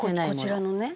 こちらのね。